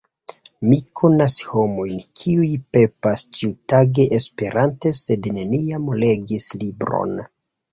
Mi konas homojn, kiuj pepas ĉiutage esperante sed neniam legis libron.